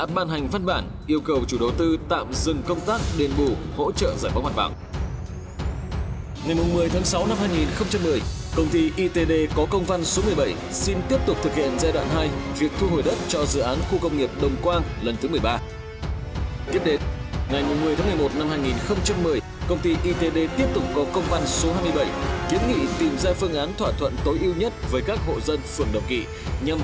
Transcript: có nội dung yêu cầu chủ đầu tư trích từ khu đất của dự án một phần diện tích